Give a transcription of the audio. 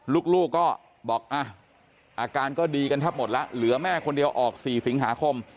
ลูกก็บอกอาการก็ดีกันแทบหมดแล้วเหลือแม่คนเดียวออก๔สิงหาคม